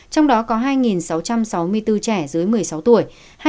trong đó có hai sáu trăm sáu mươi bốn trẻ dưới một mươi sáu tuổi